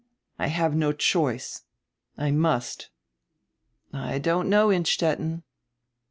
I have no choice. I must." "I don't know, Innstetten."